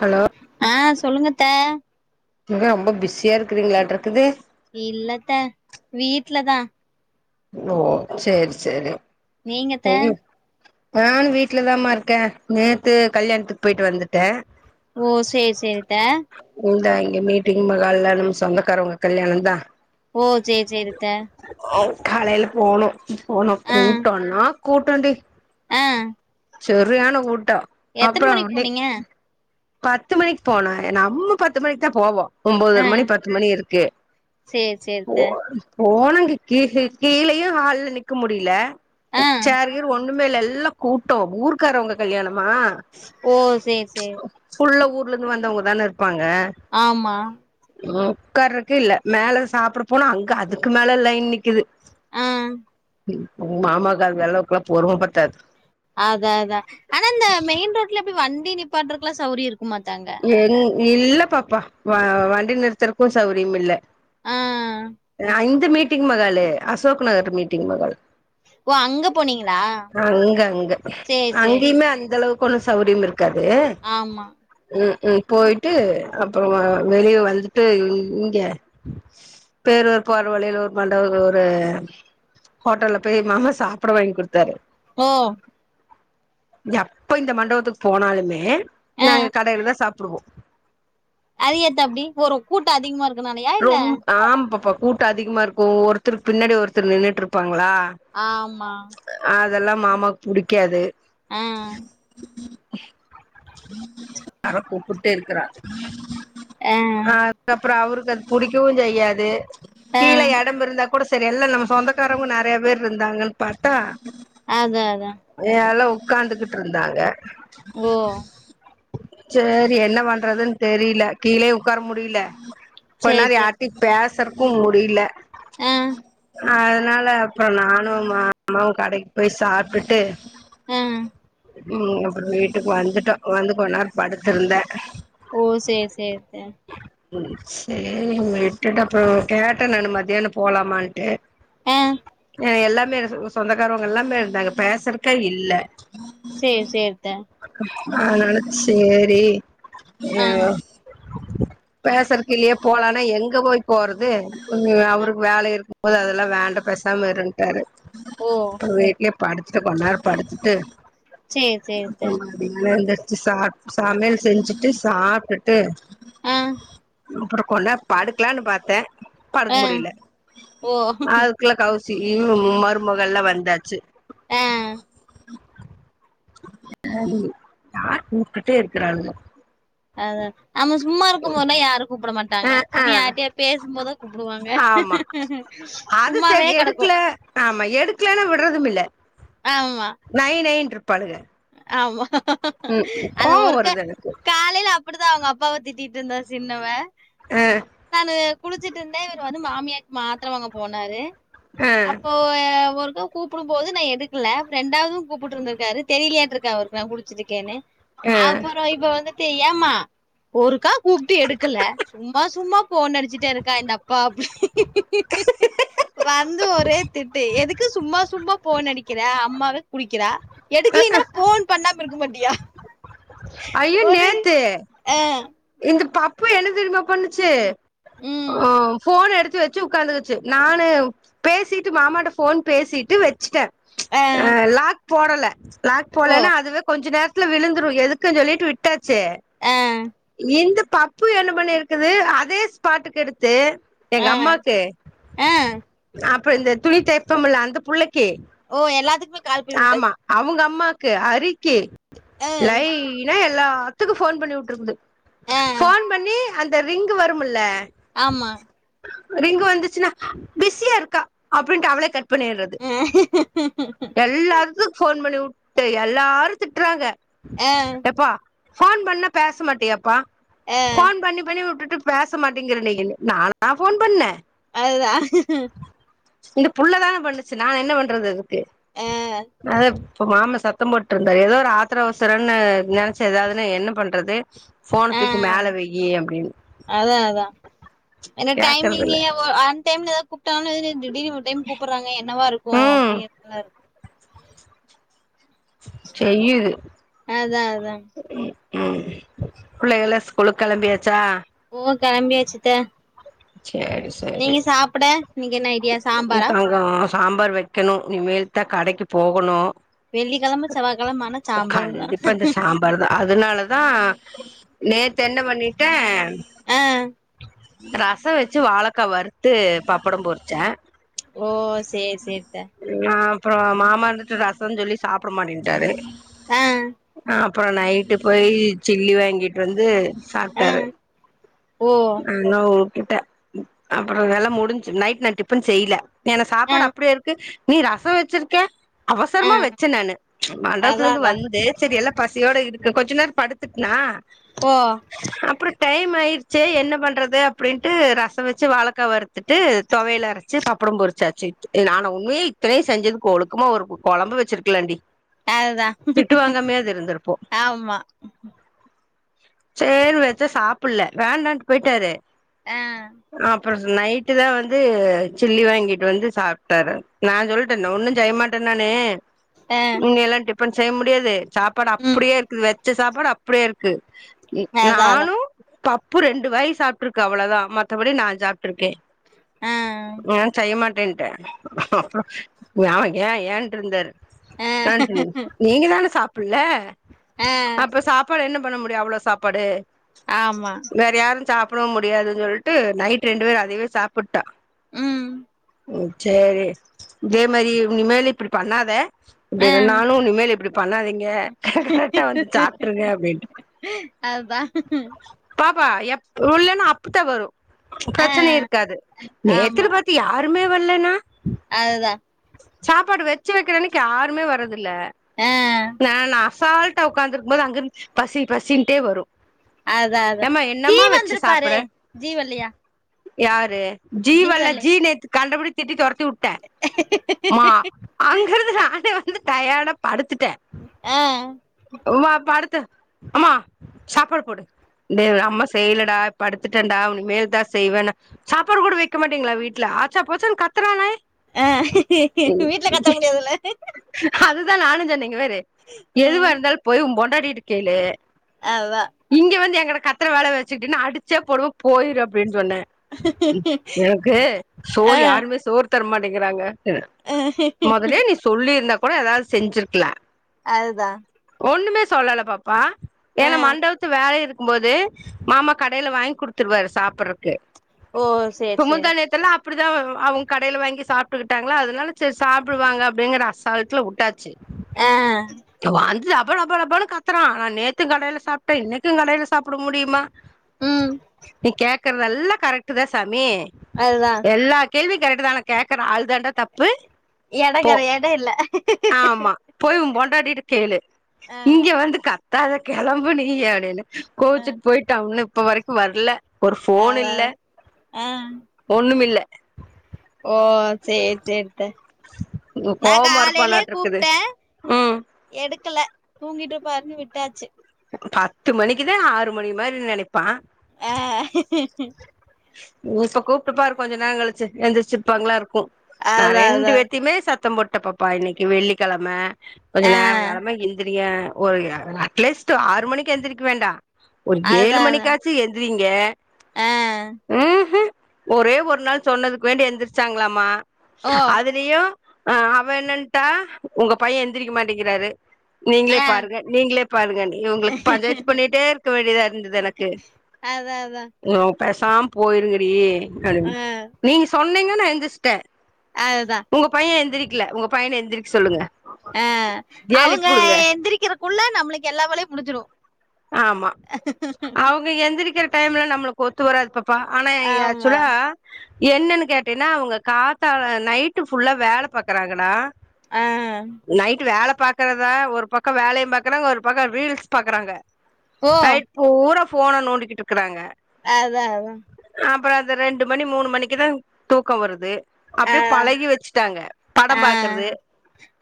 Hello ஆஹ் சொல்லுங்கத்த இங்க ரொம்ப பிஸியா இருக்கிறீங்களாட இருக்குது இல்லத்த வீட்லதா ஓ சேர் செரி நீங்கத்த நான் வீட்டுலதான்மா இருக்கே நேத்து கல்யாணத்துக்கு போயிட்டு வந்துட்டேன் ஓ செரி செரித்த ந்தான் இங்க மீட்டிங் மஹால்ல சொந்தக்காரவங்க கல்யாணம் தான் ஓ செரி செரித்த காலையில்ல போனும் போனும் கூட்டோண்ணா கூட்டண்டி ஆஹ் செரியான கூட்டம் அப்புறம் போனீங்க பத்து மணிக்கு போனா நம்ம பத்து மணிக்கு தான் போவோ ஆ ஒன்பதரு மணி பத்து மணி இருக்கு சேரி போ சேரித்த போனங்க கீ கீழேயும் ஹால்ல நிக்க முடியல ஆ சேர் கிர் ஒ ன்னுமேல்ல எல்லாம் கூட்டோம் ஊர்கக்காரங்க கல்யாணம் மா ஓ சேரி சேரி புல்லா ஊர்ல இருந்து வந்தவுங்கதானே இரு ப்பாங்க ஆமா உம் ஓக்கார்ருக்கு இல்ல மேல சாப்பிட போனா அங்க அதுக்கு மேல லைன் நிக்குது அஹ் உ மாமாக்கு அந்த அளவுக்குலாம் பொறுமை பத்தாது அதா அதா ஆனா இந்த மெயின் ரோட்ல எப்படி வண்டி நிப்பாற்றதுக்கு எல்லாம் சௌரியம் இருக்குமாத்த அங்க எங் இல்ல பாப்பா வண்டி நிறுத்திறக்கும் சௌரியம் இல்ல ஆ நா இங் க மீட்டிங் மஹாலு அசோக் நகர் மீட்டிங் மஹால் ஓ அங்க போனீங்களா அங்க அங்க சேரி சேரி அங்கயுமே அந்த அளவுக் கொணும் சௌரியம் இருக்காது ஆமா உம் உம் போயிட்டு அப்புறம் வெளியே வளந்துட்டு இங்க பேரூர் போற வழியில ஒரு மண்டபம் ஒரு ஹோட்டல்ல போய் மாமா சாப்பிட வாங்கி கொடுத்தாரு ஓ எப்ப இந்த மண்டபத்துக்கு போனாலுமே ஆஹ் சாப்பிடுவோம் அ ஏத்த அப்படி ஒரு கூட்டம் அதிகமா இரு ரொம்ப ஆமா பாப்பா கூட்டம் அதிகமா இருக்கும் ஒருத்தருக்கு பின்னாடி ஒருத்தர் நின்னுட்டு இருப்பாங் லா ஆமா அதெல்லாம் மாமாக்கு புடிக்காது ஆஹ் யார கூப்பிட்டே இருக்கிறா ஆ அஹ் அதுக்கப்புறம் அவருக்கு அது புடிக்கவும் செய்யாது ஆ கீழே எடம்மிருந்தாக் கூட செரி எல்ல நம்ம சொந்தக்காரவங்க நிறைய பேர் இருந்தாங்கன்னு பார்த்தா அதா அதா உக்கார்ந்துகிட்டு இருந்தாங்க ஓ செரி என்ன பண்றதுன்னு தெரியல கீழே உக்கார முடியல சேரி கொனேர சேரி யாரிட்டையும் பேசுறக்கும் முடியல ஆ அதனால அப்புற நானும் மாமாவும் கடைக்கு போய் சாப்பிட்டுட்டு ஹம் உம் அப்புறம் வீட்டுக்கு வந்துட்டோம் வந்து கொஞ்சநேரோ படுத்திருந்தேன் ஓ செரி செரித்த செரி விட்டுட்ட அப்புறம் கேட்டேன் நானு மத்தியானம் போலாமான்ட்டு ஆ எல்லாமே சொந்தக்காரவங்க எல்லாமே இருந்தாங்க பேசுறக்கே இல்ல சேரி சேரித்த அதனால செரி ஆ எ ஓ பேசறக் வெளிய போலானா எங்க போய் போறது ஆ அவருக்கு வேலை இருக்கும் போது அது ல்லா வேண்ட பெசாம இருன்ட்டாரு ஓ வீட்லே படுத்துட்டு கொண்நேரம் படுத்துட்டு சேரி சேரி த்த [unintelligible] சமையல் செஞ்சுட்டு சாப்ட்டுட்டு ஆ அப்புறம் கொண்நேர படுக்லானு பாத்தேன் படுக்க ஆ முடியில ஓ அதுக்குள்ள கவுச சி மருமகள்ல வந்தாச்சு ஆ சரி யார் கூப்டுட்டே இருக்கிறாங்க அத நம்ம சும்மா இருக்கும் போதுலா யாரு கூப்ட மாட் ஆ டாங்க ஆ அப்டியே யார்ட்டயா பேசும்போதா கூப்டுவாங்க ஆமா அது சும்மாவே செரி கடக்கு எடுக்கல ஆமா எடுக்கலனா விட்றதும் இல்ல ஆமா நை நைன்ருப்பாளுக ஆமா ம் அது கோவோ ஒருக வருது எனக்கு காலையில அப்டிதா அவுங்க அப்பாவ திட்டிட்டு இருந்தா சின்னவ ஆ நானு குளிச்சிட்டு இருந்தேன் இவுரு வந்து மாமியாக்கு மாத்தர வாங்க போனாரு ஆ அப்போ ஒரு கூப்புடும் போது நா எடுக்குல ரெண்டாவதும் கூப்புட்டு இருந்துருக்காரு தெரியலையாட்ருக்கு அவருக்கு நான் குளிச்சிட்ருக்கேனு ஆ போரவ இப்ப வந்துட்டு ஏமா ஒருக்கா கூப்ட்டு எடுக்கல சும்மா சும்மா ஃபோன் அடிச்சிட்டே இருக்கா என்னப்பா அப்டி வந்து ஒரே திட்டு எதுக்கு சும்மா சும்மா போன் நடிக்கிற அம்மா குளிக்கிறா எடுக்கிலினா போன் பண்ணாம இருக்க மாட்டியா ஐயோ ஒரு நேத்து ஆ இந்த பப்பு என்ன தெரிமா பண்ணுச்சு ம் அ ஃபோன் எடுத்து ச்சி வச்சி உக்காந்துகிச்சு நானு பேசிட்டு மாமாட்ட ஃபோன் பேசிட்டு வெச்சிட்ட ஆ லாக் போடல லாக் ஓ போலன்னா அதுவே கொஞ்ச நேரத்துல விழுந்துரு எதுக் குன் சொல்லிட்டு விட்டாச்சு ஆ இந்த பப்பு என்ன பண்ணி இருக்குது அதே ஸ்பாட்டுக்கு எடுத் து எங்க ஆ அம்மாக்கு ஆ அப்புற இந்த துணி தெப்பம்ல்ல அந்த புள்ளைக் கி ஓ எல்லாத்துக்குமே கால் பண்ணி ஆமா வுட்டாச்சு அவுங்க அம்மா க்கு அரிக்கி ஆ லைனா எல்லாத்துக்கு ஃபோன் பண்ணி உட்டுருக்குது ஆ ஃபோன் பண்ணி அந்த ரிங்கு வரும்முல ஆமா ரிங்கு வந்துச்சுன்னா பிஸியா இருக்கா அப்ன்ட்டு அவளே கட் பன்னிறது ஆ எல்லாத்துக்கு ஃபோன் பண்ணி வுட்டு எல்லாரு திட்றாங்க ஆ ஃபோன் பண்ண பேச மாட்டியப்பா ஆ ஃபோன் பண்ணி பண்ணி வுட்டுட் பேச மாட்டேங்கிற நீ இன் நானா ஃபோன் பண்ணே அதுதா இந்த புள்ளதான பண்ணுச்சு நா என்ன பண்றது இதுக்கு ஆ அத இப்போ மாம சத்தம் போட்ருந்தாரு ஏதோ ஒரு ஆத்ர அவசரன்னு நெனச்சு ஏதாவ்துன்னு என்ன பண்றது ஃபோனத் ஆ துக்கி மேல வெய் அப்டின்னு என்ன டைமிங் கி கேக்குறதில்ல அ ஓ அந் டைம்ல கூப்ட்டாலு திடீர்னு ஒரு டைம் கூப்புறாங்க என்னவா இருக்கூ ம் அப்டிங்கறது [unintelligible] செய்யிது அதா அதா ம் பிள்ளைகள்லா ஸ்கூலுக் கெளம்பியாச்சா ஓ கெளம்பியாச்சுத்த செரி செரி நீங்க என்ன ஐடியா சாம்பாரா சாம்பார் வெக்கணு இனி மேல் தா கடக்கி போகணு வெள்ளிக்கிழம செவ்வாய்கிழம ஆனா சாம்பார் தா கண்டிப்பா இந்த சாம்பார் தா அதனாலதா நேத்தென்ன பண்ணிட்டே ஆ ரச வெச்சு வாழக்கா வறுத்து பப்படம் பொரிச்சே ஓ சேரி சேரி த்த ஆ மாமா இருந்துட்டு ரசன் சொல்லி சாப்ட மாட்டேன்ட்டாரு ஆ அப்பற நைட்டு போய் சில்லி வாங்கிட்டு வந்து ஆ சாப்ட்டாரு ஓ என்னோ கிட்ட அப்பற வெல முடிஞ்ச்சு நைட் நா டிபன் செய்ல ஏனா ஆ சாப்பாடு அப்டியே இருக்கு நீ ரச வச்சிருக்க அவசரமா ஆ வெச்ச நானு மண்டவத்துல அதா இருந்து அதா வந்து சரி எல்லா ப சியோட இருக்கு கொஞ்ச நேர படுத்துட்னா ஓ அப்புற டைம் ஆயி சேரி என்ன பண்றது அப்டின்ட்டு ரச வச்சு வாழக்கா வறுத்துட்டு தொவையல வெச்சு பப்படம் பொரிச்சாச்சு நானு உண்மையே இத்தனையு செஞ்சதுக்கு ஒழுக்கமா ஒரு கொழம்பு வச்சிருக்கலாண்டி அதுதா திட்டு வாங்காமயாது இருந்திருப்போ ஆமா சேர் வெச்ச சாப்பிடல வேண்டான்ட்டு போய்ட்டாரு ஆ அப்பற நைட்டு தா வந்து சில்லி வாங்கிட்டு வந்து சாப்ட்டாரு நா சொல்ட்டே ஒன்னு செய்ய மாட்ட நானு ஆ இனி எல்லா டிபன் செய்ய முடியாது சாப்பாடு ம் அப்பிடியே இருக்குது வெ ச்ச சாப்பாடு அப்படியே இருக்கு அதா அதா நானு பப் பு ரெண்டு வாய் சாப்ட்ருக்கு அவ்ளதா மத்தபடி நா சாப்ட்ருக்கே ஆ நா செய்ய மாட்டேன்ட்டே அப்பற ஏ ஏ ஏன்ட்டு இருந்தாரு ஆ நா சொன் நீங்க தான சாப்பிடல ஆ அப்ப சாப்பாடு என்ன பண்ண முடியு அவ்வளோ சாப்பாடு ஆமா வேற யாரு சாப் படவு முடியாதுன் சொல்ட்டு நைட் ரெண்டு பேர் அதையவே சாப்புட்டோ ம் சேரி இதே மாரி இனிமேல் இப்பிடி பண்ணாத ஆ அப்டின நானு இனிமேல் இப்பிடி பண்ணாதிங்க கரெக்டா வந்து சாப்ட்ருங்க அப்டின்ட்டு அதுதா பாப்பா எப் உள்ளனு அப்பத்தா வரு ஆ பிரச்சனை இருக்காது ஆமா நேத்துனு பாத்து யாரு ஒன்னுமே வல்லேனா அதுதா சாப்பாடு வெச்சு வெக்கிறன்னைக்கு யாருமே வர்றதுல்ல ஆ நானு அசால் உக்காந்து இருக்கும் போது அங்க இருந்து பசி பசின்ட்டே வரு அதா அதா ஏம்மா ஜீ என்னம்மா வச்சு வந்துருப்பாரு சாப்ட ஜீ வல்லியா யாரு ஜீ வல்ல ஜீ நேத்து கண்டபடி திட்டி தொரத்தி வுட்ட மா அங்கிருந்து நானே வந்து டயர்டா படுத் துட்டே ஆ வா படுத்து அம்மா சாப்பாடு போடு டே அம்மா செய்லடா படுத்துட்டன்டா உனி மேல் தா செய்வன்ன சாப்பாடு கூட வெக்க மாட்டிங்ளா வீட்ல ஆச்சா போச்சானு கத்தறானே அ வீட்ல கத்த முடியாதுல அதுதா நானுஞ் சொன்ன இங்க பாரு எதுவாருந்தாலு போயி உம் பொண்டாட்டிட்ட கேளு அதா இங்க வந்து எங்கிட்ட கத்தற வேல வெச் சுகிட்டினா அடிச்சே போடுவே போயிரு அப்டின் சொன்னே எனக்கு சோறு ஆ யாருமே சோறு தர மாட்டேங்கிறாங்க மொதல்லயே நீ சொல்லிருந்தா கோட எதாவுது செஞ்சிருக்லா அதுதா ஒண்ணுமே சொல்லல பாப்பா ஆ ஏனா மண்டபத்து வேலை இருக்கு க்கும் போது மாமா கடைல வாங்கி குடுத்துருவாரு சாப்படறக் கு ஓ சேரி இப்ப முந்தா சேரி நேத்தெல்லா அப்பிடிதா அவுங்க கடைல வாங்கி சாப்ட்டுகிட்டாங்ளா அதனால சரி சாப்டுவாங்க அப்டிங்கிற அசால்ட்டுல வுட்டாச்சு ஆ வந்து லப லப லபனு கத்தறா நா நேத்து கடைல சாப்ட்டே இன்னைக்கு கடைல சாப்பட முடியுமா ம் நீ கேக்கறதெல்லா கரெக்ட்தே சாமி அதுதா கேள்வி கரெட்டு தா ஆனா கேக்குற ஆள் தாண்டா தப்பு எட போ கர எட இல்ல ஆமா போய் உ பொண்டாடிட்ட கேளு இங்க வந்து க தாத கெளம்பு நீ அப்டினு கோச்சுட் போய்ட்டா உன்னு இப்ப வரைக்கு வர்ல ஒரு ஃபோன் அதா இல்ல ஆ ஒண்ணுமில்ல ஓ செரி செரி டு நா கோவமா காலைலே இருப்பானாட்ருக்குது கூப்ட்டே ம் எடுக்கல தூங்கிட்டுப்பாருன்னு விட்டாச்சு பத்து மணிக்குதா ஆறு மணி மாரி நெனைப்பா அ இப்ப கூப்ட்டு பாரு கொஞ்ச நேர கழிச்சு எந்திரிச்சிருப்பாங்ளா இருக் கு நா அதா ரெண்டு அதா பேத்தியுமே சத்தம் போட்ட பாப்பா இன்னைக்கி வெள்ளிக்கெழம கொஞ்ச ஆ நேரோ கெழம எந்திரிங்க ஒரு அ அட்லீஸ்ட்டு ஆறு மணிக்கு எந்திரிக்க வேண்டா ஒரு ஏழு மணிக்காச்சு எந்திரீங்க அ ஒரே ஒரு நாள் சொன்னதுக் வேண்டி எந்திர்ச்சாங்ளாமா ஓ அதுலியு அ அவ என்னன்ட்டா உங்க பைய எந்திரிக்க மாட்டிங்கிறாரு நீங்ளே ஆ பாருங்க நீங்ளே பாருங்கனு இவுங்ளுக்க பஞ்சாயத்து பண்ணிட்டே இருக்க வேண்டியதா இருந்துது எனக்கு அதா அதா உ பேசாம் போயிருங்கடீ ஆ அப்டின் நீங்க சொன்னீங்க நா எந்தி த அதுதா உங்கோ பைய எந்திரிக்ல உங்க பையன எந்திரிக் சொல்லுங்க அ அவங்க எழுப்பிவுடுங்க எந்திரிக்கிறக்குள்ள நம்ளுக்கு எல்லா வேலயு முடிஞ்சிரு ஆமா அவுங்க எந்திரிக்கிற டைம்ல நம்மளுக் ஒத்து வராது பா பா ஆனா எ ஆமா ஆக்சுவலா என்னன்னு கேட்டீன்னா அவங்க காத்தாள நைட்டு ஃபுல்லா வேல பாக்கறாங்களா ஆ நைட்டு வேல பாக்கறதா ஒரு பக்கோ வேலயு பாக்கறாங்க ஒரு பக்கோ ரீல்ஸ் பாக்குறாங்க ஓ நைட் பூரா ஃபோன நோண்டிக்கிட்டு இர்க்குறாங்க அதா அதா அப்பற அந்த ரெண்டு மணி மூணு மணிக்கு தா தூக்கோ வருது அப்டே பழகி வெச்சுட்டாங்க அ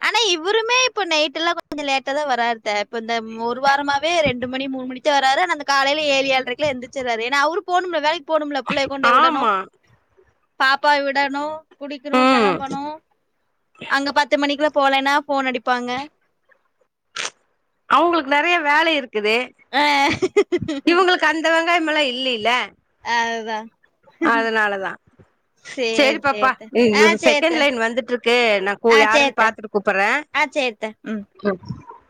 ஆனா இவுருமே இப்ப நைட்ல கொஞ்சோ லேட்டா தா வராருத இப்ப இந்த ம் ஒரு வாரமாவே ரெண்டு மணி மூணி மணிக் சு வராரு ஆன அந்த காலைல ஏழு ஏழ்ரைக்கிலா எந்திர்ச்சிறாரு ஏனா அவுரு போனும்ல வேலைக் போனும்ல புள்ளைய கொண்டேய் உடணு ஆமா பாப்பாயு விடணு குளிக்கிணு ம் கெளம்பணு அங்க பத்து மணிக்குல போலேன்னா ஃபோன் அடிப்பாங்க அவுங்ளுக் நெறைய வேல இருக்குது ஆ இவுங்ளுக் அந்த வங் ங்காயமெல்லா இல்லில அதுதா அதனாலதா சரி, சேரி சரி பாப்பா அத்தை. நீ ஆ சரி செகண்ட் அத்தை. லைன் வந்துட்ருக்கு நா கோ யாருன்னு பாத்துட்டு கூப்பறே அ செரித்த ம் ம்